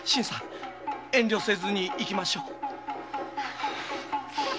遠慮せずに行きましょう。